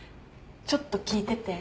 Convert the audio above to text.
ちょっと聞いてて。